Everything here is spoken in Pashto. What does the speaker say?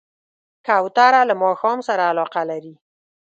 کوتره له ماښام سره علاقه لري.